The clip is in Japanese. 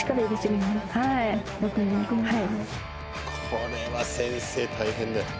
これは先生、大変だよ。